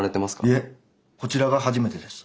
いえこちらが初めてです。